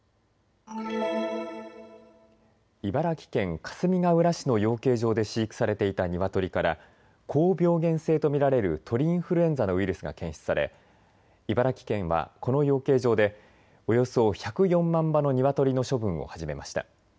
茨城県かすみがうら市の養鶏場で飼育されていたニワトリから高病原性と見られる鳥インフルエンザのウイルスが検出され、茨城県はこの養鶏場でおよそ１０４万羽のニワトリの処分を始めました。